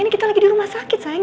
ini kita lagi di rumah sakit sayang